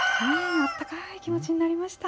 あったかーい気持ちになりました。